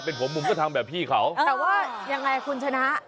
เป็นผมผมก็ทำแบบพี่เขาแต่ว่ายังไงคุณชนะ